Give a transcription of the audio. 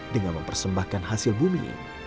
dengan mempersembahkan hasil bumi